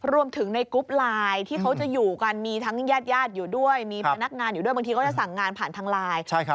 รวมถึงในกรุ๊ปไลน์ที่เขาจะอยู่กันมีทั้งญาติญาติอยู่ด้วยมีพนักงานอยู่ด้วยบางทีก็จะสั่งงานผ่านทางไลน์